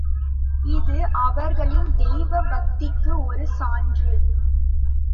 இது அவர்களின் தெய்வ பக்திக்கு ஒரு சான்று.